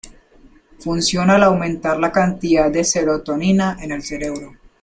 Funciona al aumentar la cantidad de serotonina en el cerebro.